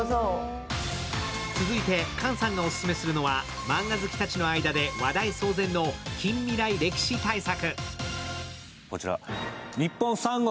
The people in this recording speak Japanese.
続いて菅さんがオススメするのはマンガ好きたちの間で話題騒然の近未来歴史大作。